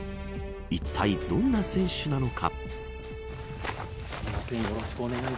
いったいどんな選手なのか。